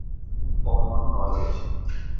Common knowledge?